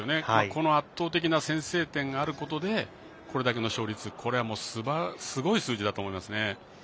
この圧倒的な先制点があることでこれだけの勝率すごい数字だと思いますね。